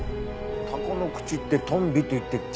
タコの口ってトンビといって珍味なんだ。